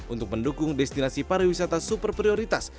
untuk mendukung destinasi pariwisata super prioritas